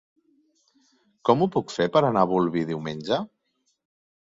Com ho puc fer per anar a Bolvir diumenge?